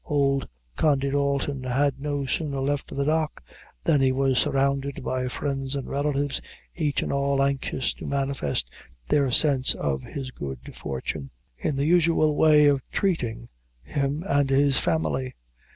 Old Condy Dalton had no sooner left the dock than he was surrounded by friends and relatives, each and all anxious to manifest their sense of his good fortune, in the usual way of "treating" him and his family.